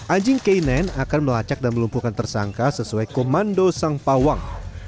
anjing k sembilan akan melacak dan melumpuhkan tersangka sesuai komando sang pawang